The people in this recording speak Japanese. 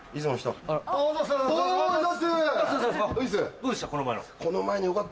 どうでした？